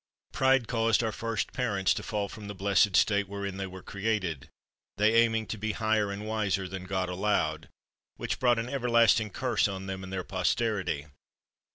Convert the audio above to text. Pride caused our first parents to fall from the blessed state wherein they were created — they aiming to be higher and wiser than God allowed, which brought an ever lasting curse on them and their posterity.